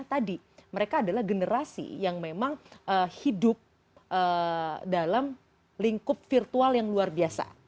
tadi mereka adalah generasi yang memang hidup dalam lingkup virtual yang luar biasa